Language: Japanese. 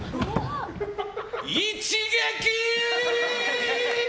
一撃！